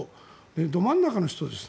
ど真ん中の人です。